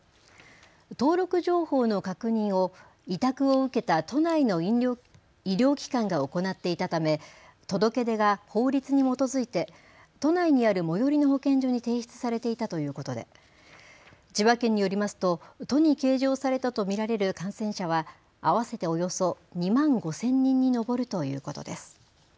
登録情報の確認を委託を受けた都内の医療機関が行っていたため届け出が法律に基づいて都内にある最寄りの保健所に提出されていたということで千葉県によりますと都に計上されたと見られる感染者は合わせておよそ２万５０００人に上るということです。